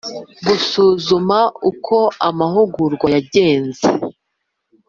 Gusuzuma uko amahugurwa yagenze